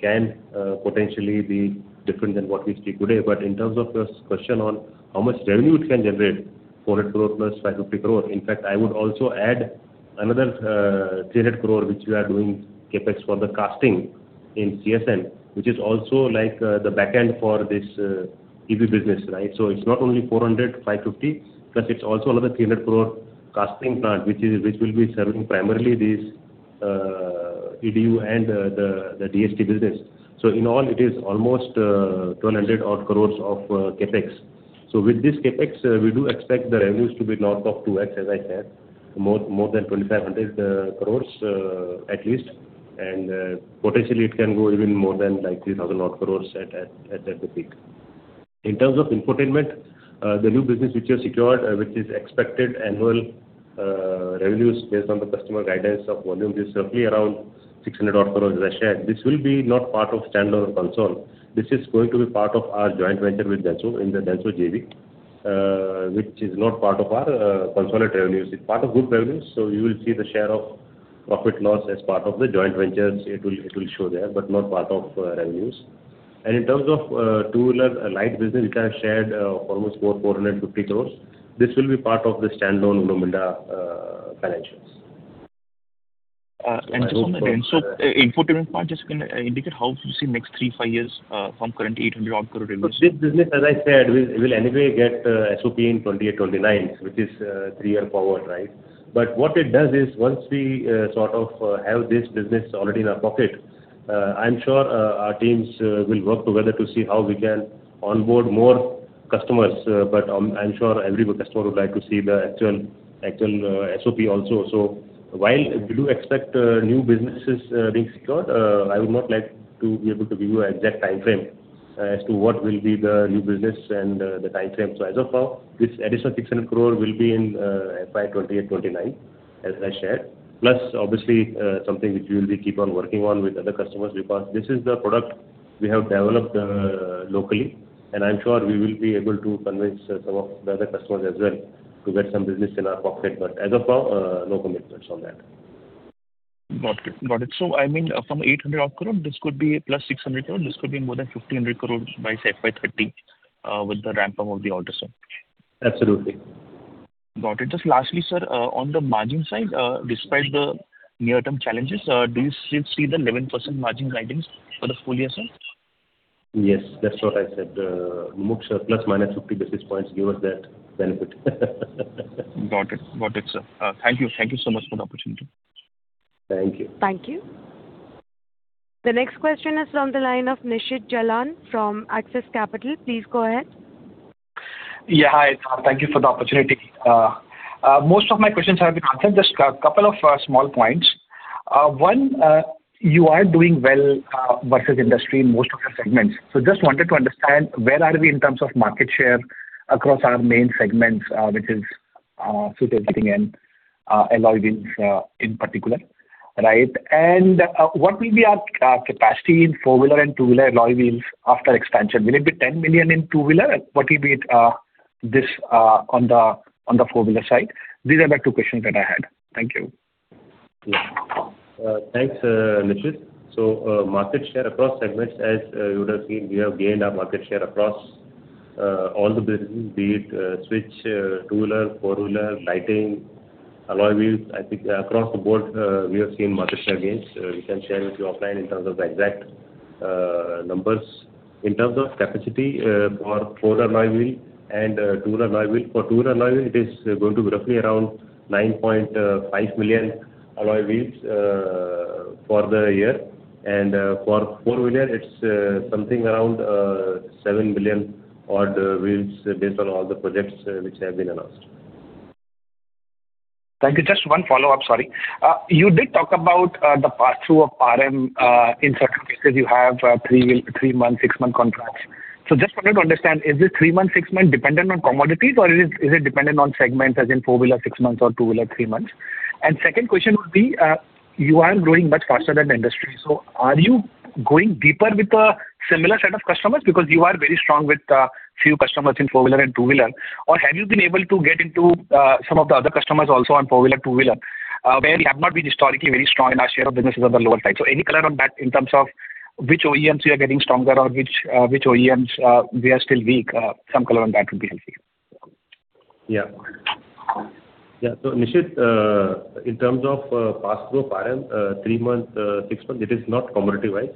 can potentially be different than what we see today. In terms of your question on how much revenue it can generate, 400 crore plus 550 crore, in fact, I would also add another 300 crore, which we are doing CapEx for the casting in CSM, which is also like the back end for this EV business, right. It's not only 400, 550, plus it's also another 300 crore casting plant, which will be serving primarily these EDU and the DHT business. In all, it is almost 200 odd crores of CapEx. With this CapEx, we do expect the revenues to be north of 2x, as I said, more than 2,500 crores at least. Potentially it can go even more than like 3,000 odd crores at the peak. In terms of infotainment, the new business which we have secured, which is expected annual revenues based on the customer guidance of volume is certainly around 600 odd crores, as I said. This will be not part of standalone console. This is going to be part of our joint venture with Denso, in the Denso JV, which is not part of our consolidated revenues. It's part of group revenues. You will see the share of profit loss as part of the joint ventures. It will show there, but not part of revenues. In terms of two-wheeler light business, which I have shared, of almost 450 crore, this will be part of the standalone Uno Minda financials. Just on the Denso infotainment part, just indicate how you see next three, five years from current 800 odd crore revenues. This business, as I said, we will anyway get SOP in 2028-2029, which is three-year forward, right? What it does is once we sort of have this business already in our pocket, I'm sure our teams will work together to see how we can onboard more customers. I'm sure every customer would like to see the actual SOP also. While we do expect new businesses being secured, I would not like to be able to give you an exact timeframe as to what will be the new business and the timeframe. As of now, this additional 600 crore will be in FY 2028-2029, as I shared. Obviously, something which we will be keep on working on with other customers because this is the product we have developed locally, and I am sure we will be able to convince some of the other customers as well to get some business in our pocket. As of now, no commitments on that. Got it. Got it. I mean, from 800 odd crore, this could be plus 600 crore, this could be more than 1,500 crores by say, FY 2030, with the ramp up of the orders, sir. Absolutely. Got it. Just lastly, sir, on the margin side, despite the near-term challenges, do you still see the 11% margin guidance for the full year, sir? Yes, that's what I said, Mumuksh, ±50 basis points, give us that benefit. Got it. Got it, sir. Thank you. Thank you so much for the opportunity. Thank you. Thank you. The next question is from the line of Nishit Jalan from Axis Capital. Please go ahead. Hi, sir. Thank you for the opportunity. Most of my questions have been answered. Just a couple of small points. One, you are doing well versus industry in most of your segments. Just wanted to understand where are we in terms of market share across our main segments, which is suit everything and alloy wheels in particular, right? What will be our capacity in four-wheeler and two-wheeler alloy wheels after expansion? Will it be 10 million in two-wheeler? What will be it on the four-wheeler side? These are the two questions that I had. Thank you. Yeah. Thanks, Nishit. Market share across segments, as you would have seen, we have gained our market share across all the businesses, be it switch, two-wheeler, four-wheeler, lighting, alloy wheels. I think across the board, we have seen market share gains. We can share with you offline in terms of the exact numbers. In terms of capacity, for four alloy wheel and two alloy wheel. For two alloy wheel, it is going to be roughly around 9.5 million alloy wheels for the year. For four-wheeler it's something around 7 million odd wheels based on all the projects which have been announced. Thank you. Just one follow-up. Sorry. You did talk about the pass-through of RM, in certain cases you have three-month, six-month contracts. Just wanted to understand, is this three-month, six-month dependent on commodities or is it dependent on segments as in four-wheeler six months or two-wheeler three months? Second question would be, you are growing much faster than the industry. Are you going deeper with the similar set of customers because you are very strong with few customers in four-wheeler and two-wheeler? Have you been able to get into some of the other customers also on four-wheeler, two-wheeler, where you have not been historically very strong and our share of business is on the lower side. Any color on that in terms of which OEMs you are getting stronger or which OEMs, we are still weak. Some color on that would be helpful. Nishit, in terms of pass-through RM, three-month, six-month, it is not commodity-wise.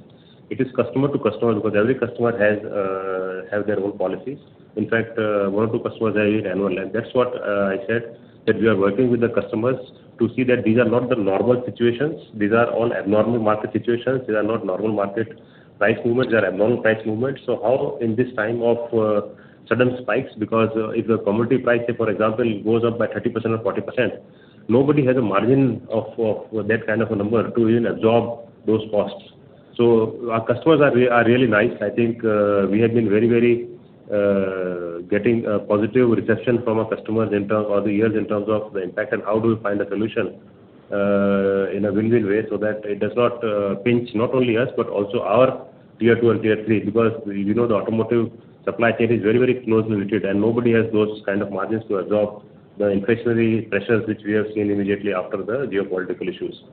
It is customer to customer because every customer has their own policies. In fact, one or two customers are annual. That's what I said, that we are working with the customers to see that these are not the normal situations. These are all abnormal market situations. These are not normal market price movements. They are abnormal price movements. How in this time of sudden spikes because if the commodity price, say for example, goes up by 30% or 40%, nobody has a margin of that kind of a number to even absorb those costs. Our customers are really nice. I think, we have been very, very getting, positive reception from our customers or the years in terms of the impact and how do we find a solution, in a win-win way so that it does not, pinch not only us, but also our tier 2 and tier 3 because we know the automotive supply chain is very, very closely knitted, and nobody has those kind of margins to absorb the inflationary pressures which we have seen immediately after the geopolitical issues.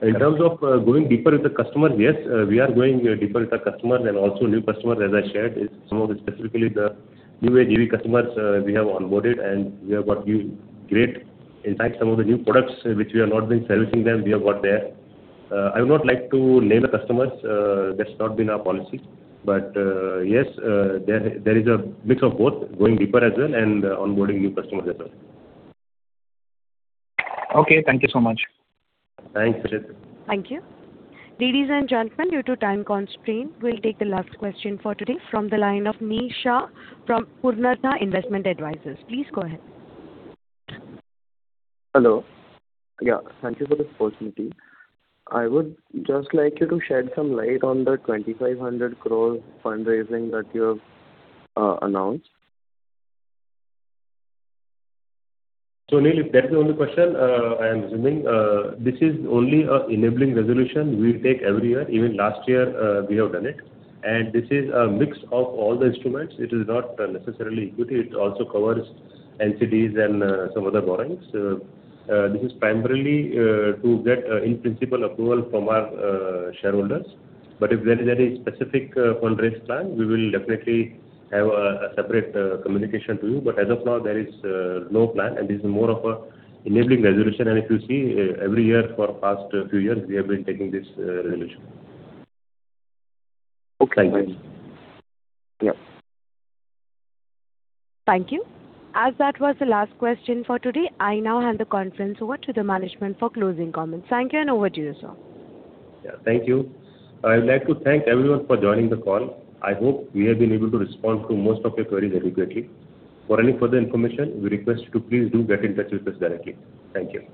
In terms of going deeper with the customers, yes, we are going deeper with the customers and also new customers, as I shared, is some of the specifically the new EV customers, we have onboarded and we have got new growth. In fact, some of the new products which we have not been servicing them, we have got there. I would not like to name the customers. That's not been our policy. Yes, there is a mix of both going deeper as well and onboarding new customers as well. Okay. Thank you so much. Thanks, Nishit. Thank you. Ladies and gentlemen, due to time constraint, we will take the last question for today from the line of Neel Shah from Purnartha Investment Advisors. Please go ahead. Hello. Yeah, thank you for this opportunity. I would just like you to shed some light on the 2,500 crore fundraising that you have announced. Neel, if that's the only question, I am assuming this is only a enabling resolution we take every year. Even last year, we have done it. This is a mix of all the instruments. It is not necessarily equity. It also covers NCDs and some other borrowings. This is primarily to get in-principle approval from our shareholders. If there is any specific fundraise plan, we will definitely have a separate communication to you. As of now there is no plan and this is more of a enabling resolution. If you see, every year for past few years we have been taking this resolution. Okay. Thank you. Thank you. Thank you. As that was the last question for today, I now hand the conference over to the management for closing comments. Thank you and over to you, sir. Yeah, thank you. I would like to thank everyone for joining the call. I hope we have been able to respond to most of your queries adequately. For any further information, we request you to please do get in touch with us directly. Thank you.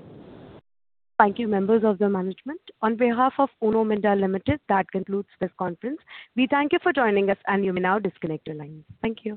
Thank you, members of the management. On behalf of Uno Minda Limited, that concludes this conference. We thank you for joining us and you may now disconnect your lines. Thank you.